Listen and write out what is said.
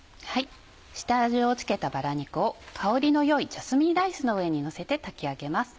下味を付けたバラ肉を香りの良いジャスミンライスの上にのせて炊き上げます。